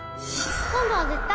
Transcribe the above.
今度は絶対？